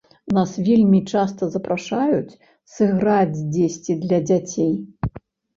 Нас вельмі часта запрашаюць сыграць дзесьці для дзяцей.